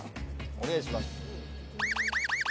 お願いします